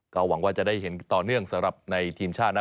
ก็หวังว่าจะได้เห็นต่อเนื่องสำหรับในทีมชาตินะ